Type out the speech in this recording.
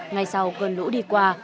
ngay sau cơn lũ đi qua